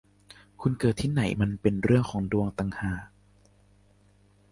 คุณเกิดที่ไหนมันเป็นเรื่องของดวงต่างหาก